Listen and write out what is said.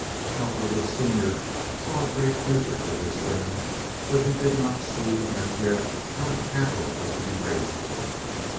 Cowperwood, Senior, saw a great future for this thing; but he did not see as yet how the capital was to be raised for it.